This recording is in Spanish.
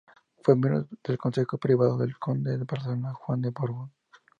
Fue miembro del Consejo Privado del Conde de Barcelona Juan de Borbón.